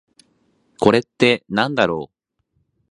これってなんだろう？